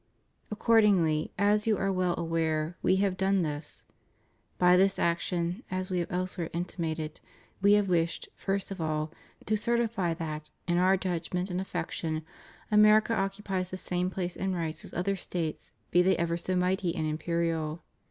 Accordingly, as you are well aware, We have done this. By this action, as We have elsewhere intimated, We have wished, first of all, to certify that, in Our judgment and affection, America occupies the same place and rights as other States, be they ever so mighty and imperial.